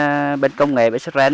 trên bên công nghệ bên sức rèn